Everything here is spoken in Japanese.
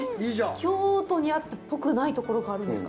京都にあってぽくないところがあるんですか。